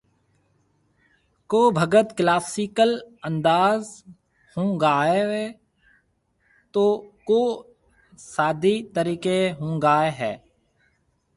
ڪو ڀگت ڪلاسيڪل انداز ھونگاوي هي تو ڪو سادي طريقي ھونگاوي هي